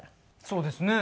そうですね。